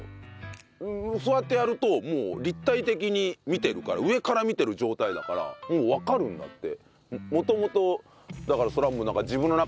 そうやってやるともう立体的に見てるから上から見てる状態だからもうわかるんだって。